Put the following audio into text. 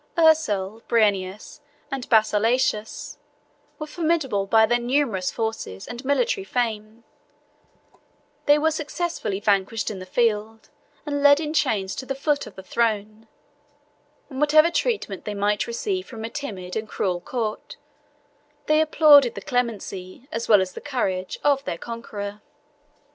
Ursel, Bryennius, and Basilacius, were formidable by their numerous forces and military fame: they were successively vanquished in the field, and led in chains to the foot of the throne; and whatever treatment they might receive from a timid and cruel court, they applauded the clemency, as well as the courage, of their conqueror.